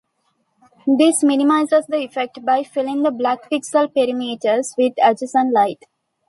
This minimizes the effect by filling the black pixel perimeters with adjacent light.